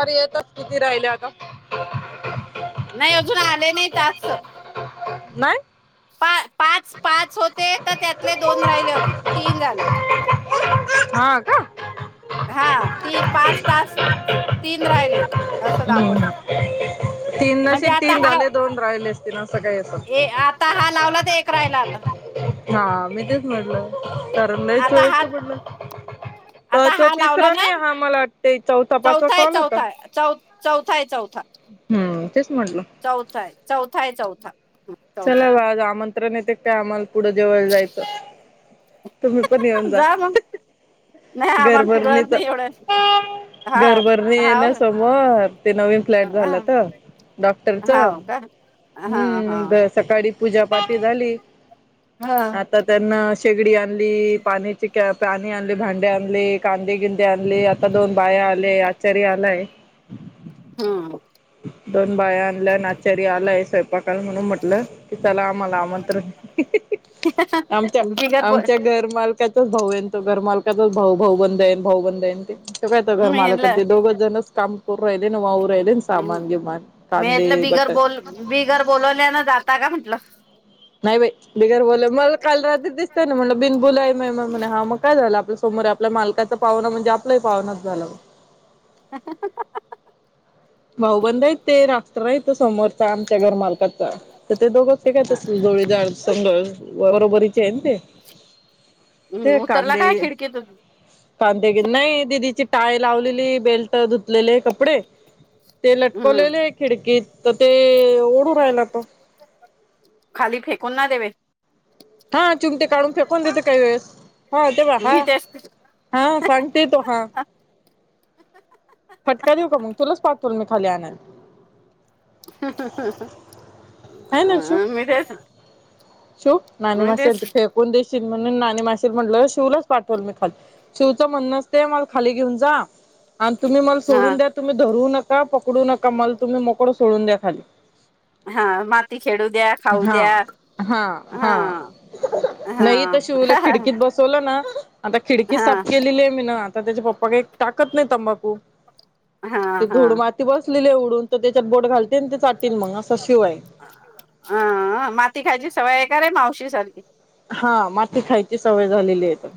अरे येतच किती राहिले आता. नाय अजून आले नाय टास्क. नाही पा पाच-पाच होते तर त्यातले दोन राहिले होते, तीन झाले. हा का. हा ती पाच टास्क तीन राहिले असं दाखवतात. तीन नाशी म्हणजे आता तीन हा झाले दोन राहिले असतील असं काही असत. ए आता हा लावला तर एक राहिला आता. हा मी तेच म्हटलं तर लई आता हा म्हटलं [inaudible] प आता तो हा लावला तिसर ना नाय हा मला वाटते चौथा, पाचवा आहे कॉल होता. चौथा आहे चौ चौथा आहे चौथा हम्म, तेच म्हटलं. चौथा हाय, चौथा हाय, चौथा, हम चौथा हाय. आ जमण. त्रणेतक काय आम्हाला पुढं जेवळ जायचं, तुम्ही पण येऊन जा. नाय आम्हा पूरत नाय एवढं. हा घरभरनी हा आहे ना समोर ते नवीन फ्लॅट झालं तर. हा डॉक्टरचं हो का हा हा हा हम्म सकाळी पूजापाठी झाली आ ता त्यांना शेगडी आणली पाण्याचे पाणी आणले भांडे आणले कांदे गिंदे आणले. आता दोन बाया आले आचारी आलाय. हम्. दोन बाया आणल्या आचारी आलाय स्वयंपाक तर म्हणून म्हटलं की चला आम्हाला आमंत्रण आमच्या बिगर प आमच्या घरमाल काचा भाऊ आय ना तो घर मालकाचाच भाऊ भाऊ बंदध आयन भाऊ बंदध आयन ते? तो काय तो घरमालक म्हटलं ते दोघ जणच काम करू राहिले वाहू राहिले. मी सामान बीमान कांदे म्हटलं बिगर बटा बोल बिगर बोलवल्यान जात का म्हटलं? नाही बाई बिगर बोल मला काल रात्रीच दिसतय ना म्हटलं बिनबुलाये मेहमान म्हणा हा मग काय झालं आपल्या समोर आपल्या मालकाचा पाहुण म्हणजे आपलं ही पाहूनच झालं. [unintelligible] भाऊबंद आयत ते रास्त्र हित समोरचा आमच्या घर मालकाचा. तर ते दोघंच तिघातच जोडीदार संग बरोबरीचे हाय ना ते. हम् ते उतरला काय कांदे खिडकी तून? कांदे घे नाही दिदीची टाळे लावलेली बेल्ट धुतलेले कपडे ते लटकवलेल हम्म आय खिडकीत तर ते ओढू राहिला तो. खाली फेकून ना देवे हा चिमटे काढून फेकून देते काही वेळेस हा तेव्हा मी हा. तेच हा सांगते तो हा. फटका देऊ का मग तुलाच पाठवीण मी खाली आणायला. आहे ना अ शिव मी तेच शिव नाणी मी तेच माशीला फेकून देशील म्हणून नाणी माशीला म्हटल शिवलाच पाठवल मी खाली. शिवचं म्हण असते मला खाली घेऊन जा आणि तुम्ही मला हा सोडून द्या तुम्ही धरू नका पकडू नका मल तुम्ही मोकल सोडून द्या खाली. हा माती खेळूद्या हा खाऊद्या. हा हा. हा नाय हित शिवला हा खिडकीत बसवलं ना आता खिडकी साफ केलेली आय मीन आ ता त्याचे पप्पा काय टाकत नाय तंबाकू हा ते हा धूड मा ते बसलेले उडून तर त्याच्यात बोट घाल माती खायची सवय हाय का रे मावशी सारखी? हा माती खायची सवय झालेली आहे तर.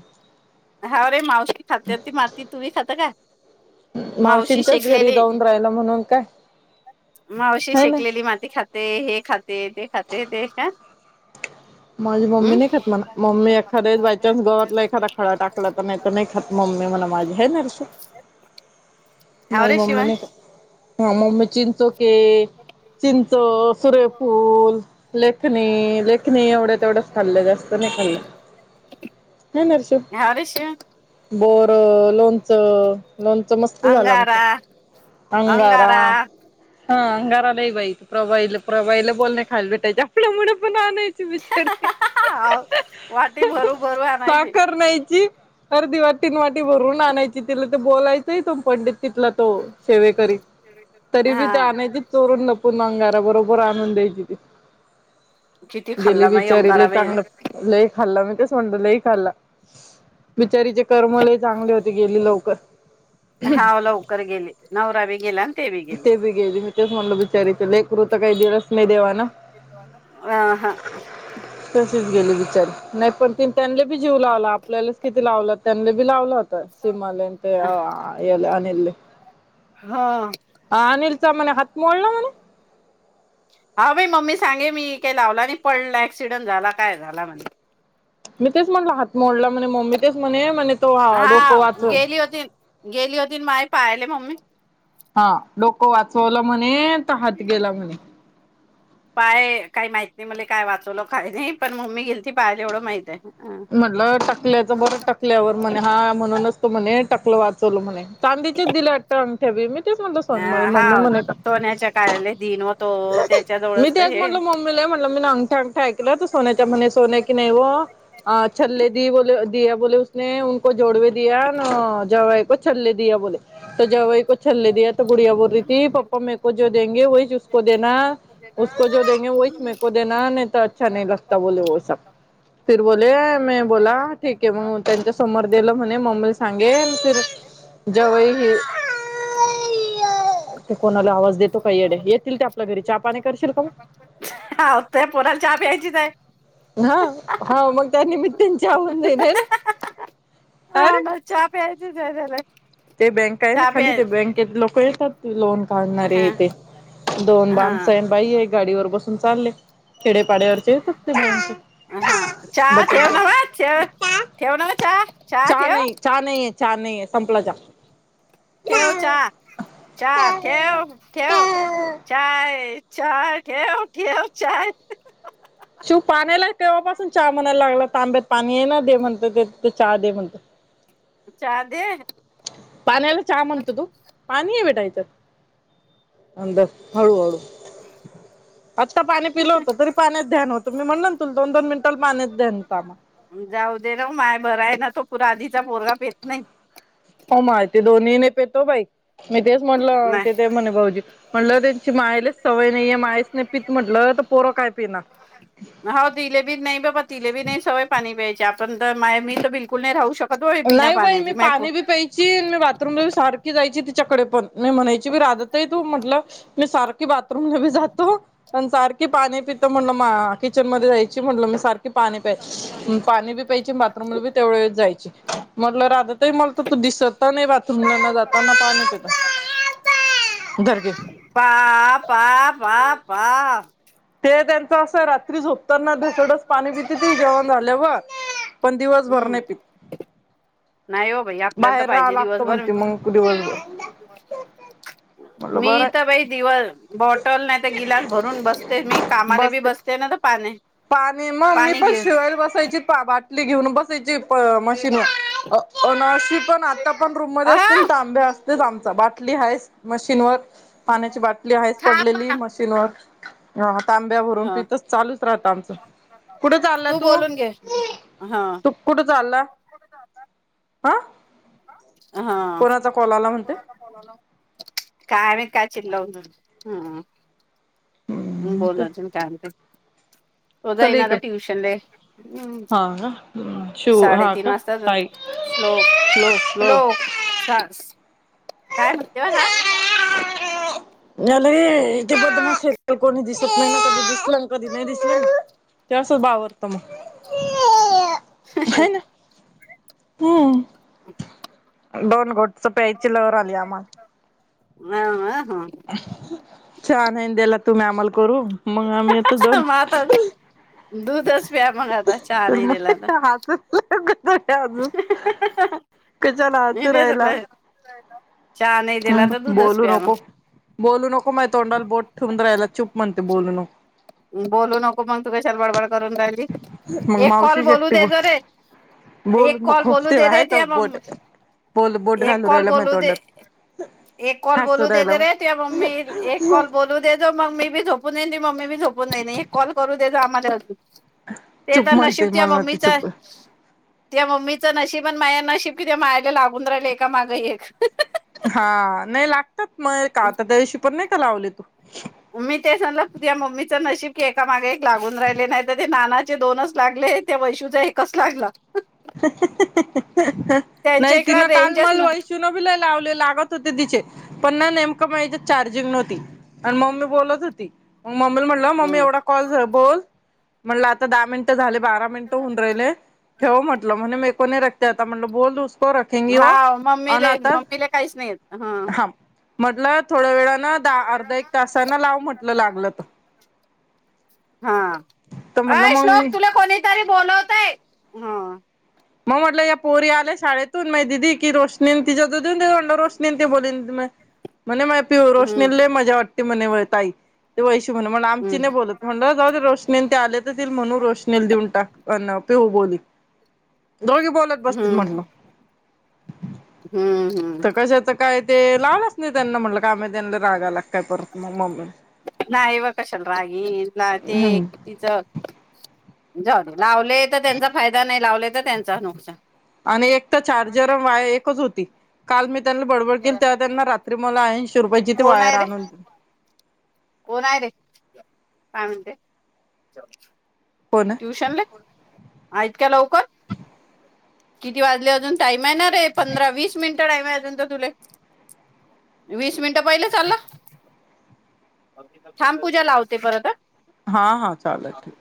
हाव रे मावशी खात्यात ती माती तुम्ही खाता काय? मावशींच्याच घरी जाऊन राहिलं म्हणून काय मावशी है ना शेकलेली माती खा ते हे खाते ते खाते ते का? माझी मम्मी हम्म नाय खात म्हणा मम्मी एखाद्या वेळीस बायचान्स गवतला एखादा खड टाक ला तर नाय तर नाय खात मम्मी म्हणा माझी हा क नाय हर्षु हाव माझी रे मम्मी शिवांश नाय खा हा म मी चिंचो के चिंचो, सुर्यफुल, लेखनी, लेख नाय एवढं तेवढंच खाल्लं जास्त नाय खाल्लं हाय ना हर्षु. हरीशी बोरं, लोणचं. लोणचं मस्त झालं अंगारा आमचं. अंगारा. हां. आंगारा लई बाई. प्रभाई प्रभईला बोलणे खायला भेटायचे आपल्या मुळ आणि. विचारते. हा वाटी भरू भरू आणायची साखर न्यायची. अरे देवा तीन वाटी भरून आणायची. तिला ते बोलायचं [unintelligible] पडलीत. तिथला तो सेवेकरी. तरी हा बी ते आणायचीच. चोरून लपून अंगारा बरोबर आणून द्यायची ती. किती गेली खाल्ला माई बिचारी अंगारा लई बी चांगलं. लई खाल्ला मी तेच म्हणते लई खाल्ला. बिचारीचे कर्म लई चांगले होते गेली लवकर. हाव लवकर गेली नवरा बी गेला आणि ते बी गेली. मी तेच म्हणल बिचारीच लेकरू तर काही दिवस- नाही देवा न. आ. हां. तशीच गेली बीचारी. नाही पण तिनी त्यांना बी जीव लावला. आपल्यालाच किती लावला. त्यांना बी लावला होता. सिमलंत आ येल आनेलय. हां. अनिलचा म्हणे हात मोडला म्हण? हा बाई. मम्मी सांगे मी काय लावला नाही. पडला ऍक्सिडेंट झाला काय झाला म्हणे. मी तेच म्हणलं हात मोडला म्हणे. मम्मी तेच म्हणे म्हणे तो डोकं हा वाच- [unintelligible] गेली होती ना माय पाह्यायले मम्मी. हां. डोकं वाचवलं म्हणे. तर हात गेला म्हणे. पाये काही माहित नाही मले काय वाचवलं काय नाही. पण मम्मी गेलती पाह्यले येवढं माहित आहे. म्हटलं टकल्याचं बरं टकल्यावर. म्हणे हा म्हणूनच. तो म्हणे टकलं वाचवल म्हणे. चांदीचेच दिले वाटत. अंगठ्या बी. मी तेच म्हणलं अ सोन हा मम्मी म्हणायचा. सोन्याच्या कार्याला दिन होतो त्याच्या मी जवळच तर तेच हे म्हणलं मम्मी- मी लय म्हणलं मी अंगठ्या अंगठा ऐकलं. तर सोन्याच्या म्हणे सोन आहे कि नाही हो. आ. छल्ले दिये बोले दिया बोले उसने उनको जोडवे दिया न जवाई को छल्ले दिया बोले. तर जवाय को छल्ले दिया तर गुडिया बोल रही थी, पप्पा मेरे को जो देंगे वहीच ऊसको देना. उसको जो देंगे वहीच मेको देना नही अच्छा नही लगता बोले वो सब. फीर बोले मी बोला. ठीक आहे मग त्यांच्या समोर दिलं म्हणे. मम्मीला सांगेल फिर- जवयी हे वो. इथे कोणाला आवाज देतो? पाय येडं येतील ते आपल्या घरी. चहा पाणी करशील का मग? हा त्या पोराला चहा प्यायचीच आहे हा. हौ मग त्या निमित्त्यान चहा होऊन जाईल आहे ना? हा रे. मला चाहा प्यायचीच ए [unintelligible] ते बँक आहे ना खाली. ते बँकेत लोक येतात. लोन काढणारे हा ते. दोन हा बाण सैन बाई आहे गाडीवर बसून चाललेय. खेडेपाड्यावरचे येत असते [unintelligible] हा चहा ठेव नवं. ठे ठेव ना व चहा. चहा चा ठेव नाही. चा नाहीे. चा नाहीेए संपला चा. ठेव चा. चा ठेव. ठेव. चाय. चाय ठेव. ठेव चाय. चिऊ पाण्याला तेव्हापासून चहा म्हनायला लागला. तांब्यात पाणी ये ना दे म्हणतो ते. ते चा दे म्हणतो. चा दे. पाण्याला चहा म्हणतो तू? पाणी हए बेटा ह्याच्यात. अंदर हळू हळू. [unintelligible] आत्ता पाणी पिलं होतं, तरी पाण्यात ध्यान होतं. मी म्हणल ना तुला दोन- दोन मिनटला पाण्यात ध्यान हुत आम्हा. जाऊ दे ना माय, बराय ना तो पूरा आधीचा पोरगा पेत नाही. हो माय ते दोन्ही नय पेतो बाई, मी तेच म्हटलं नाही. तेथे म्हणे भाऊजी. म्हटलं त्यांची मायलेच सवय नाहीय मायस नाही पित म्हंटलं, तर पोरं काय पिणार. हो तिलेबी नाही बाबा तिलेबी नाही सवय पाणी प्यायची, आपण तर माय मी तर बिलकुल नाही राहू शकत. कधोळी बिना पाण्याची माय पो. ची मी बाथरूम सारखी जायची तिच्याकडे पण, मी म्हणायची राधत तू म्हटलं. मी सारखी बाथरूमला भी जातो. पण सारखी पाणी पितो म्हणलं म्हा, किचन मध्ये जायची म्हणल मी सारख कि पाणी प्याय, पाणी बी प्यायचे बाथरूमला बी तेवढया वेळ जायचे. म्हटलं राधा ताई मला तू दिसत नाही राहत. [inaudible] [unintelligible] ते त्यांच असं रात्री झोपताना ढसडस पाणी पिती ते जेवण झालं वर. पण दिवस भर हम्म नाही पीत. नाही हो बाई आपल्याला तर बाहेर राहावं पाहिजे लागतं दिवसभर. म्हणते मग दिवसभर म्हटलं बरं मी आहे तर बाई दिवस बॉटल नाही तर गिलास भरून बसते मी, कामाला बी बसते ना तर पाने पाणी, मग मी पण शिवायले बसायची बाटली घेऊन बसायची. प, मशीनवर अन अशी पण आता पण रूम मध्ये अ असते ना तांब्या तेच आमचा, बाटली हाय मशीनवर. पाण्याची बाटली आहेच थांब पडलेली म्हणा मशीनवर, हा तांब्या भरून ह पितच चालूच राहत आमचं. कुठ चाला तू? बोलून घे हा कुठं चालला? हा. हा. कोणाचा कॉल आला म्हणते काय महीत काय चिडला म्हणून. हम ह, बोल अजून काय म्हणते? तो चल जईन आता इकडे ट्यूशन ले, हमं हा का शिव हा साडेतीन का वाजता घ साई श्लोक, स्लो स्लो श्लोक सा काय म्हणतोय हा? नाही लई इथे ब कोणी दिसत नाही कधी दिसल कधी नाही दिसल. ते अस बावरत म, हाय ना. हम्म, दोन गोटच प्यायची लहर आली आम्हाला. आ, अ, हं. चहा नहीन द्याला तुम्ही आम्हांला करू, मग आम्ही दोन, मग आता दूधच प्या मग आता चहा तर नाही मग दिला तर पित्त हा का. या अजून, कशाला मी आलतू राहायला. [unintelligible] दिला तर दूधच बोलू प्या मग नको, बोलू नको माहि तोंडाला बोट ठवून राहायला चूप म्हणते बोलू नको. बोलू नको मग तु कश्याले बडबड करून राहिली, मग एक मावशी कॉल बोलू शेकटी बोल देजो रे. बोलू एक कॉल नको बोलू दे आहे का ते मंग, बोट बोल बोट एक घालू कॉल राहिला माझ्या बोलू दे. तोंडात एक कॉल बोलू हसू देेत राहिला रे, तू मम्मी येईल. एक कॉल बोलू दे मग मम्मी बी झोपू नई मग मी बी झोपूनई एक कॉल करू दे माझ्यासाठी. ते चुप तर नशीब म्हणते त्या मला म्हणते मम्मीच. चुप त्या मम्मीचं नशीब अन माया नशीब किथ मायला लागून राहिले एका माग एक. हा नाही लागतात मग का आता त्या दिवशी पण नाही का लावले तु मी ते म्हणलं मम्मीच नशीब की एका मागे एक लागून राहिले नाही तर ते नानाचे दोनच लागले आहेत. त्या वैशूज हे एकस लागला. नाहीय त्यांच्या तिना इकडं काल रेंजच न मला वाईस तिलाबी लई लावले लागतं होते तिचे पण ना नेमकं माझं चार्जिंग नव्हती. आणि मम्मी बोलत होती मग मम्मीला म्हटलं मम्मी हम्म. एवढा कॉल झा बोल म्हटलं आता दहा मिनिटं झाले बारा मिनिटं होऊन राहिले ठेव म्हटलं. म्हणे मे कोोने रक्तेता म्हट बोलस [unintelligible] रखेग व हा मम्मीले अनाथ मम्मीले काहीच नाही येत हा [unintelligible] म्हटलं थोड्या वेळान दहा अर्धा एक तासान लाव म्हटलं लागलं तर हा तर अ म्हटलं मग श्लोक तुला कोणीतरी बोलवत आहे हा मग म्हटलं या पोरी आल्या शाळेतून मग दिदी की रोशनी निती ज देऊनं रोष नि बोल म म्ह म माय पि रोस हम्म निले मजा वाटत [unintelligible] म्हणे ताई ते वैशी म्हणे हम्म आमची नाही बोलत म्हणे जाऊ दे रोशनी न ते आलेत म्हणून रोशनीला देऊन टाक अ पे हो बोलली [unintelligible] दोघी बोलत बसतील हम्म म्हटलं हम्म हम्म तर कशा तर काय ते लावलंच नाही त्यांना म्हटलं कामही त्यांना रागायला काय परत मग मम्मी नाही येव कशाल राग येईल ते हम्म तिचं जाऊदे लावले तर त्यांचा फायदा नाही लावले तर त्यांच नुकसान आणि एक तर चार्जर वा एकच होती. काल मी त्यांना बडबड केली तेव्हा त्यांना रात्री मला ऐनशी रुपायाची ती कोण वायर आहे रे आणून कोण आहे रे काय म्हणते फोन ट्युशनला इतक्या लवकर किती वाजले अजून टाईम आहेणापळरे पंधरा वीस मिनिट तर तु वीस मिनिटं पहिले चालला थांब पूजा लावते परत हा हा चालेल